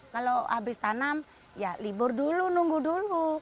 kalau habis tanam ya libur dulu nunggu dulu